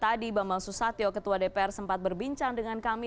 tadi bambang susatyo ketua dpr sempat berbincang dengan kami